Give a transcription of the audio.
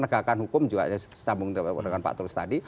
penegakan hukum juga sambung dengan pak tulus tadi